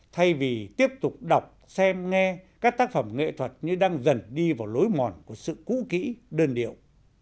thay vì tiếp tục đọc xem nghe các tác phẩm nghệ thuật như đang dần đi vào lối mòn của sự cũ kỹ đơn điệu